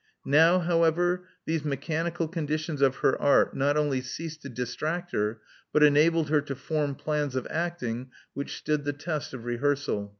Now, however, these mechanical conditions of her art not only ceased to distract her, but enabled her to form plans of acting which stood the test of rehearsal.